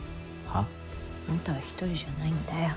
はあ？あんたは一人じゃないんだよ。